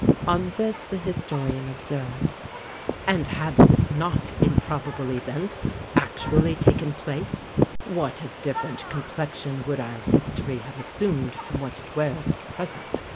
On this the historian observes, "And had this _not improbable event actually taken place, what a different complexion would our history have assumed from what it wears at present!